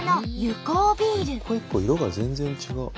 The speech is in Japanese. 一個一個色が全然違う。